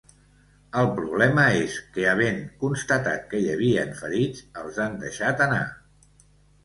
El problema és que, havent constatat que hi havien ferits, els han deixat anar.